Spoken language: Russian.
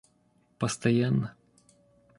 постоянно